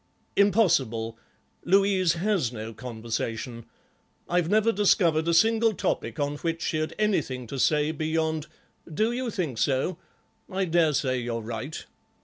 "Impossible. Louise has no conversation. I've never discovered a single topic on which she'd anything to say beyond 'Do you think so? I dare say you're right.